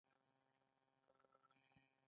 بې عملي په دې مقاومت کې نشته.